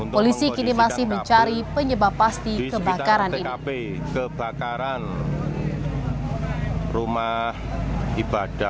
polisi kini masih mencari penyebab pasti kebakaran rumah ibadah